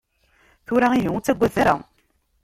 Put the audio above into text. Tura ihi, ur ttagadet ara.